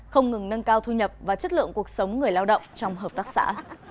không ngừng nâng cao thu nhập và chất lượng cuộc sống người lao động trong hợp tác xã